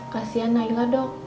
kasian naik lah dok